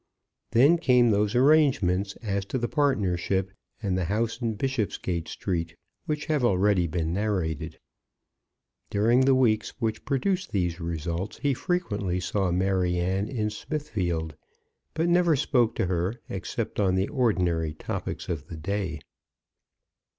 Then came those arrangements as to the partnership and the house in Bishopsgate Street, which have already been narrated. During the weeks which produced these results, he frequently saw Maryanne in Smithfield, but never spoke to her, except on the ordinary topics of the day.